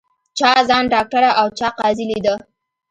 چا ځان ډاکټره او چا قاضي لیده